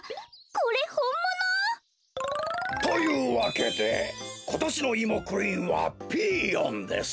これほんもの！？というわけでことしのイモクイーンはピーヨンです。